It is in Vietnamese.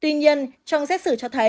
tuy nhiên trong xét xử cho tội